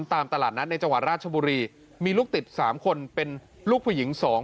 ตามตลาดนัดในจังหวัดราชบุรีมีลูกติดสามคนเป็นลูกผู้หญิงสอง